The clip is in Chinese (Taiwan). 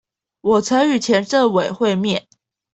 我曾與前政委會面